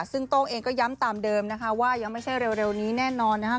ซึ่งโต้งเองก็ย้ำตามเดิมนะคะว่ายังไม่ใช่เร็วนี้แน่นอนนะครับ